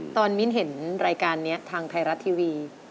มิ้นเห็นรายการนี้ทางไทยรัฐทีวี